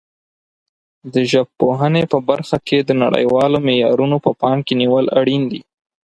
د ژبپوهنې په برخه کې د نړیوالو معیارونو په پام کې نیول اړین دي.